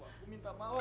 kamu kamu denger raguy